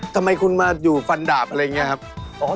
ทำไมคุณมาอยู่ฟันดาบอะไรอย่างนี้ครับ